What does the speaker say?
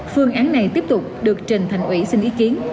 phương án này tiếp tục được trình thành ủy xin ý kiến